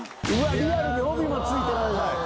リアルに帯も付いてない。